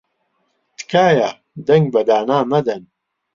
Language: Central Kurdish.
تکایە دەنگ بە دانا مەدەن.